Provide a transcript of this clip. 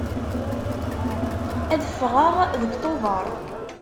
Ad ffɣeɣ deg Tubeṛ.